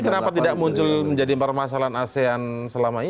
kenapa tidak muncul menjadi permasalahan asean selama ini